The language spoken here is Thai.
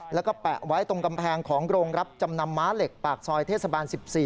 แล้วก็แปะไว้ตรงกำแพงของโรงรับจำนำม้าเหล็กปากซอยเทศบาล๑๔